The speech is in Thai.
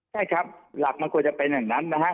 ใช่ครับหลักมันควรจะเป็นอย่างนั้นนะฮะ